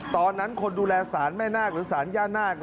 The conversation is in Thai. ตอนนั้นคนดูแลสารแม่นาคหรือสารย่านาค